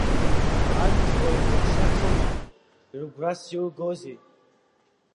Анҭ уаҩ дыршаҭома, рыгәрас иугозеи?